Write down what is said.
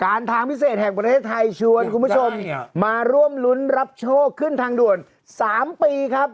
ทางพิเศษแห่งประเทศไทยชวนคุณผู้ชมมาร่วมรุ้นรับโชคขึ้นทางด่วน๓ปีครับ